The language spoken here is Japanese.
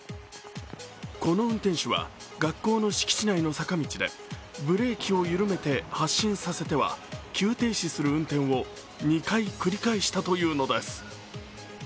この運転手は、学校の敷地内の坂道でブレーキを緩めて発進させては急停止する運転を２回繰り返したというのです。